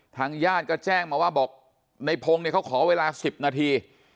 ทางญาติก็แจ้งมาว่าบอกในพงศ์เนี่ยเขาขอเวลา๑๐นาที